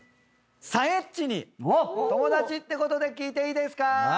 さえっちに友達ってことで聞いていいですか？